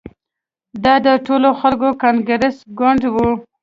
دا د ټولو خلکو کانګرس ګوند وو.